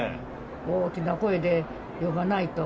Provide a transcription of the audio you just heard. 大きな声で呼ばないと。